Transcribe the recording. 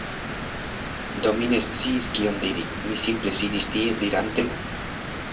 Do mi ne sciis kion diri, mi simple sidis tie, dirante "..."